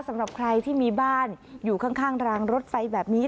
สำหรับใครที่มีบ้านอยู่ข้างรางรถไฟแบบนี้